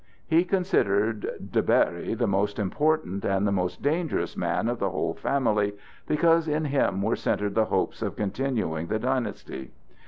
He considered De Berry the most important and the most dangerous man of the whole family because in him were centred the hopes of continuing the dynasty.